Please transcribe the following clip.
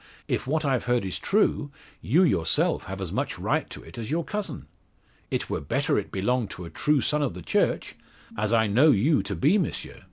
If what I've heard be true, you yourself have as much right to it as your cousin. It were better it belonged to a true son of the Church, as I know you to be, M'sieu."